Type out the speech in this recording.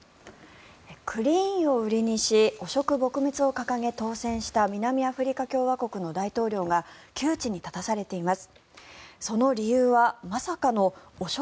クリーンを売りにし汚職撲滅を掲げ、当選した南アフリカ共和国の大統領が窮地に立たされています。